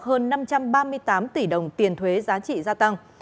hơn năm trăm ba mươi tám tỷ đồng tiền thuế giá trị gia tăng